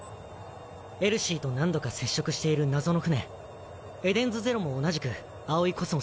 エルシーと何度か接触している謎の船エデンズゼロも同じく葵宇宙へ。